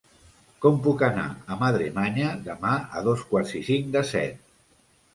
Com puc anar a Madremanya demà a dos quarts i cinc de set?